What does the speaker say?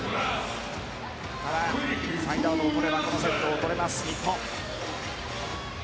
ただ、サイドアウトをとればこのセットを取れます、日本。